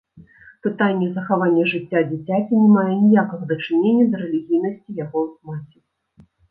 Пытанне захавання жыцця дзіцяці не мае ніякага дачынення да рэлігійнасці яго маці.